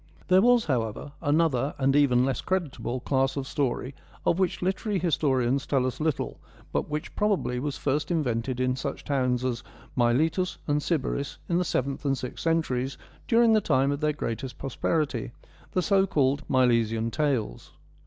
There was, however, another and even less credit able class of story of which literary historians tell us little, but which, probably, was first invented THE MILESIAN TALES 45 in such towns as Miletus and Sybaris in the seventh and sixth centuries, during the time of their greatest prosperity — the so called Milesian Tales.